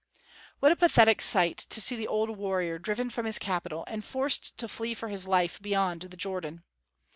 What a pathetic sight to see the old warrior driven from his capital, and forced to flee for his life beyond the Jordan!